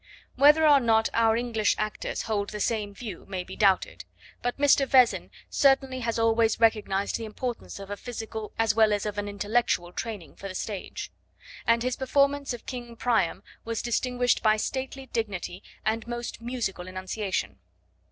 Whether or not our English actors hold the same view may be doubted; but Mr. Vezin certainly has always recognised the importance of a physical as well as of an intellectual training for the stage, and his performance of King Priam was distinguished by stately dignity and most musical enunciation.